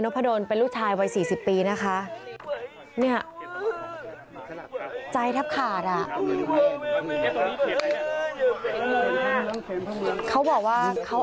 นกพะดนเป็นลูกชายวัย๔๐ปีนะคะใจทับขาดเขาบอกว่าเขา